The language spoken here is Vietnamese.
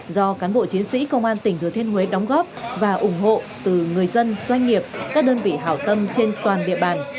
do cán bộ chiến sĩ công an tỉnh thừa thiên huế đóng góp và ủng hộ từ người dân doanh nghiệp các đơn vị hảo tâm trên toàn địa bàn